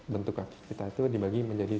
bentuk kaki kita itu dibagi menjadi